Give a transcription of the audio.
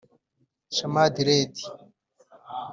Shamad Red